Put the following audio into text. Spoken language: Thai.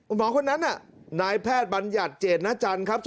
คุณหมอคนนั้นน่ะนายแพทย์บรรยัติเจนนครับ